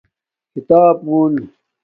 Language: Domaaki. کھیتاپ مُون